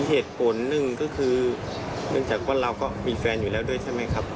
เหตุผลหนึ่งก็คือเนื่องจากว่าเราก็มีแฟนอยู่แล้วด้วยใช่ไหมครับ